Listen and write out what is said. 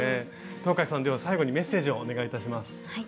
東海さんでは最後にメッセージをお願いいたします。